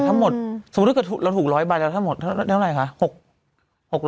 ถ้าหมดสมมุติว่าเราถูก๑๐๐ใบแล้วถ้าหมดแล้วอันยังไงคะ